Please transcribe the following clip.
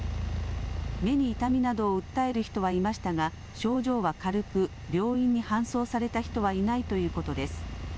目に痛みなどを訴える人はいましたが症状は軽く、病院に搬送された人はいないということです。